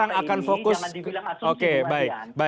jangan dibilang asumsi kemasian